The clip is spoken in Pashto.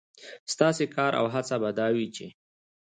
ستاسې کار او هڅه به دا وي، چې